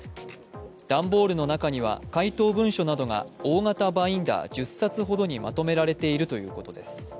段ボールの中には回答文書などが大型バインダー１０冊ほどにまとめられているということです。